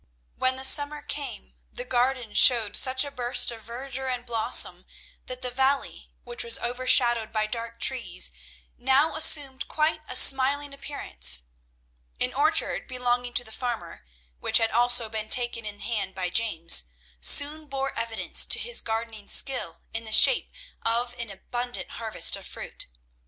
When the summer came, the garden showed such a burst of verdure and blossom, that the valley, which was overshadowed by dark trees, now assumed quite a smiling appearance. An orchard belonging to the farmer, which had also been taken in hand by James, soon bore evidence to his gardening skill in the shape of an abundant harvest of fruit.